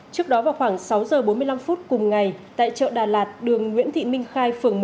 trước đó vào khoảng sáu giờ bốn mươi năm phút cùng ngày tại chợ đà lạt đường nguyễn thị minh khai phường một